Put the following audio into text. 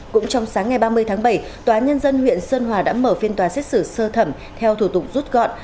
cũng trong sáng ngày ba mươi tháng bảy tòa nhân dân huyện sơn hòa đã mở phiên tòa xét xử sơ thẩm theo thủ tục rút gọn